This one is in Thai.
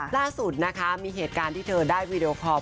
ล่าสุดนะคะมีเหตุการณ์ที่เธอได้วีดีโอคอล